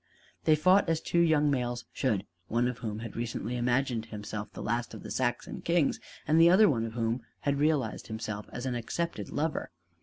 They fought as two young males should, one of whom had recently imagined himself the last of the Saxon kings and the other of whom had realized himself as an accepted lover.